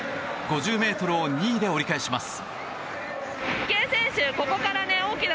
５０ｍを２位で折り返します。